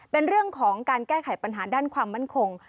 เป็นเรื่องของการแก้ไขปัญหาด้านความมั่นคง